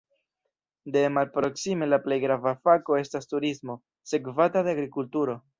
De malproksime la plej grava fako estas turismo, sekvata de agrikulturo.